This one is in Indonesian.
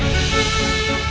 gimana kita akan menikmati rena